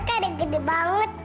ada gede banget